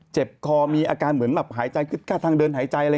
เจ็บคอมีอาการเหมือนแบบหายใจขึ้นค่าทางเดินหายใจอะไร